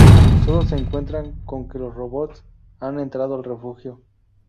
Sólo se encuentran con que los robots han entrado al refugio.